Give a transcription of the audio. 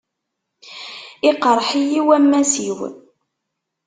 Iqṛeḥ-iyi wammas-iw.